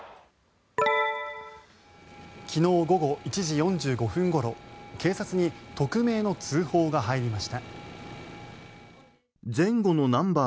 昨日午後１時４５分ごろ警察に匿名の通報が入りました。